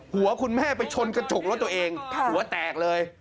หัวคุณแม่ไปชนกระจกรถตัวเองหัวแตกเลย